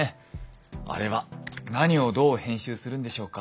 あれは何をどう編集するんでしょうか？